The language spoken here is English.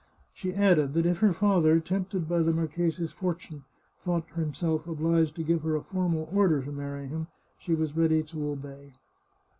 She added that if her father, tempted by the marchese's fortune, thought himself obliged to give her a formal order to marry him, she was ready to obey.